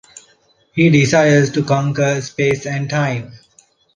He desires to conquer space and time.